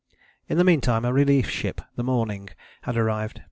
In the meantime a relief ship, the Morning, had arrived.